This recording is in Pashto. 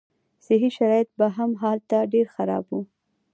صحي شرایط به هم هلته ډېر خراب وو.